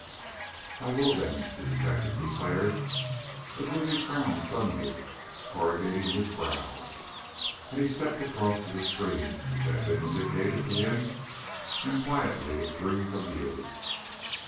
"I will, then," the detective declared, a gloomy frown suddenly corrugating his brow; and he stepped across to the screen which had been indicated to him, and quietly withdrew from view.